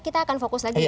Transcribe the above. kita akan fokus lagi